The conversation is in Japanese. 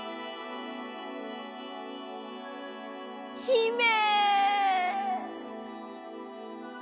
「ひめ！」。